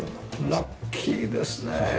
ラッキーですね！